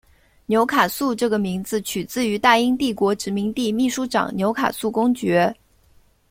纽卡素这个名字取自于大英帝国殖民地秘书长纽卡素公爵。